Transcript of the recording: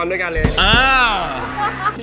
แล้วแตก